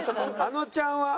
あのちゃんは？